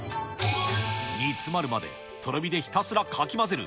煮詰まるまでとろ火でひたすらかき混ぜる